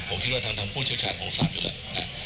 ผมคิดว่าทั้งผู้เชียวชาญของฝนอยู่แล้วนะ